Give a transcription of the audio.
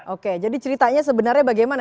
oke jadi ceritanya sebenarnya bagaimana